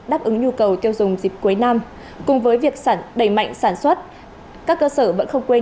đáp ứng nhu cầu tiêu dùng dịp cuối năm cùng với việc đẩy mạnh sản xuất các cơ sở vẫn không quên